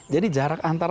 jadi jarak antar